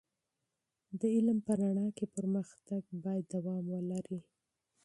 د علم په رڼا کې پر مختګ باید دوام ولري.